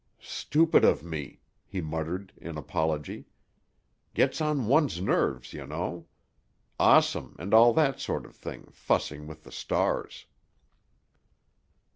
"Stupid of me," he muttered, in apology. "Gets on one's nerves, you know. Awesome, and all that sort of thing, fussing with the stars."